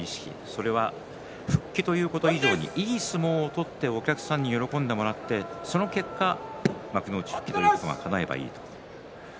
それが復帰ということ以上にいい相撲を取ってお客さんに喜んでもらってその結果、幕内復帰ということがかなえばいいと。